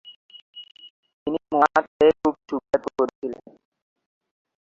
তিনি মোয়া খেয়ে খুব সুখ্যাতি করেছিলেন।